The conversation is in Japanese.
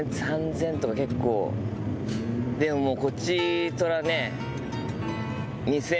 でももうこちとらね。